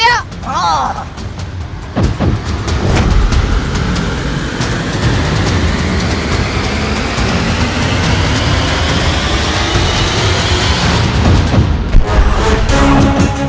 enak aja bilang minggir